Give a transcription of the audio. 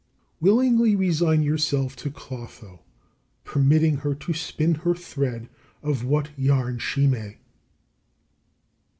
34. Willingly resign yourself to Clotho, permitting her to spin her thread of what yarn she may.